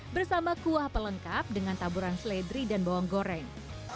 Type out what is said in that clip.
bersama kuah pelengkap dengan taburan seledri dan bawang goreng